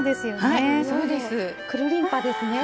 はいそうです。くるりんぱですね。